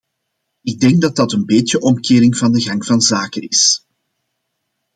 Ik denk dat dat een beetje een omkering van de gang van zaken is.